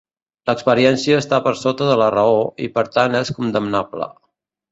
L'experiència està per sota de la raó, i per tant és condemnable.